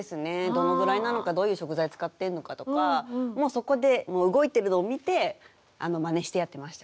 どのぐらいなのかどういう食材使ってんのかとかもうそこで動いてるのを見てマネしてやってました。